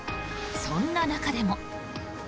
そんな中でも。